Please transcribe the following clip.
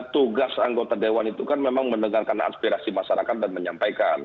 tugas anggota dewan itu kan memang mendengarkan aspirasi masyarakat dan menyampaikan